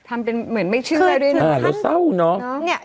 ทำเป็นเหมือนไม่เชื่อเลยด้วยเนิ้น